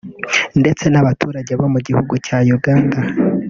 ndetse n’abaturage bo mu gihugu cya Uganda